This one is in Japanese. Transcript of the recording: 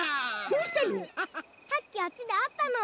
どうしたの？